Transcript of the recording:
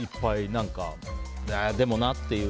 何かでもなっていう。